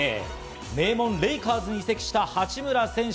名門・レイカーズに移籍した八村選手。